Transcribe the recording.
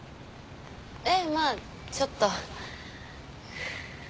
ええまぁちょっと。